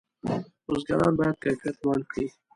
بزګران باید کیفیت لوړ کړي.